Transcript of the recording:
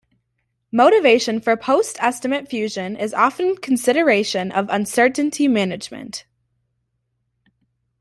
Motivation for post-estimate fusion is often consideration of uncertainty management.